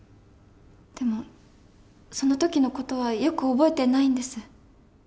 でもその時の事はよく覚えてないんです。